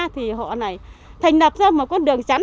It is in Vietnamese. thì họ lại thành lập ra một con đường chắn